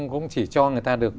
cũng chỉ cho người ta được